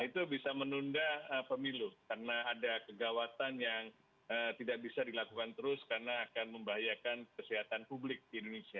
itu bisa menunda pemilu karena ada kegawatan yang tidak bisa dilakukan terus karena akan membahayakan kesehatan publik di indonesia